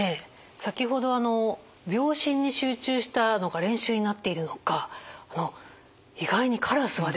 先ほど秒針に集中したのが練習になっているのか意外にカラスはですね